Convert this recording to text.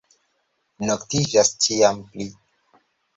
Noktiĝas ĉiam pli.